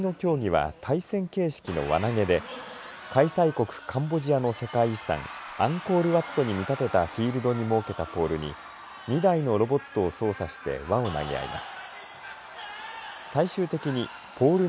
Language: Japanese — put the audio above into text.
ことしの競技は対戦形式の輪投げで開催国カンボジアの世界遺産アンコールワットに見立てたフィールドに設けた２台のロボットを操作して輪を投げ合います。